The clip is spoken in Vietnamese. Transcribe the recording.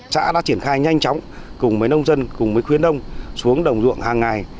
xã đã triển khai nhanh chóng cùng với nông dân cùng với khuyến đông xuống đồng ruộng hàng ngày